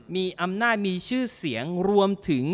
มีชื่อเสียงรวมถึง